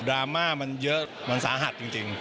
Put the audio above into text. ราม่ามันเยอะมันสาหัสจริง